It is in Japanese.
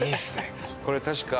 これ確か。